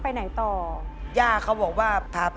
เอาพระพุทธรูปแล้วก็เอาน้ำลด